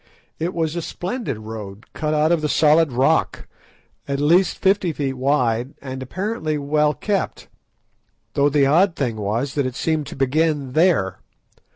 It was a splendid road cut out of the solid rock, at least fifty feet wide, and apparently well kept; though the odd thing was that it seemed to begin there.